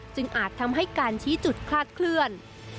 อาจทำให้การชี้จุดคลาดเคลื่อน